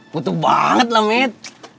butuh banget lah med